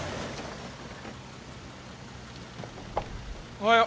おはよう。